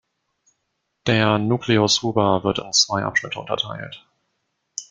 Der Nucleus ruber wird in zwei Abschnitte unterteilt.